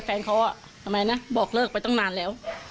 แฟนเขาอ่ะทำไมนะบอกเลิกไปตั้งนานแล้ว